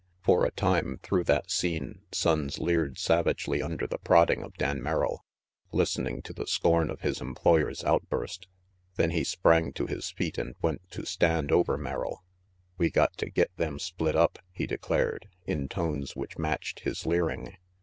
For a time through that scene Sonnes leered savagely under the prodding of Dan Merrill, listening to the scorn of his employer's outburst. Then he sprang to his feet and went to stand over Merrill. "We got to get them split up," he declared, in tones which matched his leering.